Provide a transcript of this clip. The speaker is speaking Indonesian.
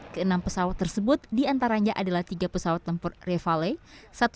keenam pesawat tersebut diantaranya adalah tiga pesawat tempur revalet